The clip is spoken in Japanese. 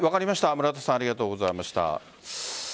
村田さんありがとうございました。